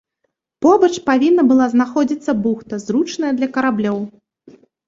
Побач павінна была знаходзіцца бухта, зручная для караблёў.